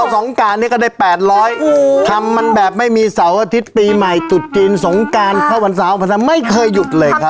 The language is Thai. สงการนี้ก็ได้๘๐๐ทำมันแบบไม่มีเสาร์อาทิตย์ปีใหม่จุดจีนสงการเข้าวันเสาร์ภาษาไม่เคยหยุดเลยครับ